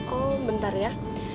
oh bentar ya